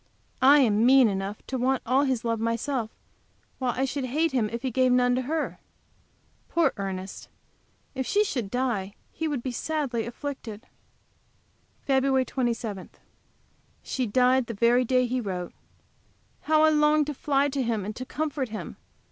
I am mean enough to want all his love myself, while I should hate him if he gave none to her. Poor Ernest! If she should die he would be sadly afflicted! FEB. 27. She died the very day he wrote. How I long to fly to him and to comfort him!